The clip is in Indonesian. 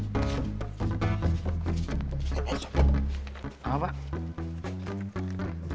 tolong carikan ayat yang berhubungan dengan jenazah